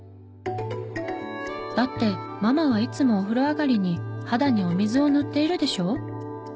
だってママはいつもお風呂上がりに肌にお水を塗っているでしょ？